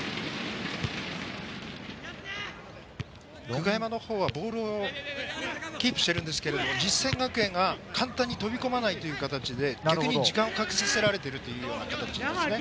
久我山のほうはボールをキープしてるんですけれど実践学園が簡単に飛び込まないという形で逆に時間をかけさせられているという形ですね。